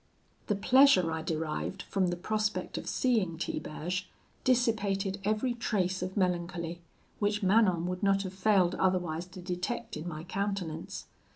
"The pleasure I derived from the prospect of seeing Tiberge dissipated every trace of melancholy, which Manon would not have failed otherwise to detect in my countenance.